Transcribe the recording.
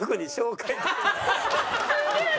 すげえな。